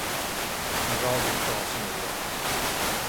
Min radio är trasig nu igen.